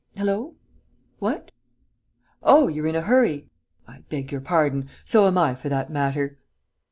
Hullo!.... What?... Oh, you're in a hurry? I beg your pardon!... So am I, for that matter....